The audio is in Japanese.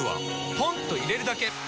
ポンと入れるだけ！